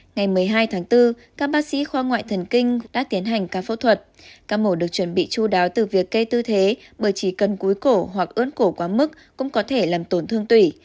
ngày một mươi hai tháng bốn các bác sĩ khoa ngoại thần kinh đã tiến hành ca phẫu thuật ca mổ được chuẩn bị chú đáo từ việc cây tư thế bởi chỉ cần cuối cổ hoặc ướn cổ quá mức cũng có thể làm tổn thương tủy